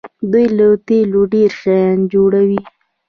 دوی له تیلو ډیر شیان جوړوي.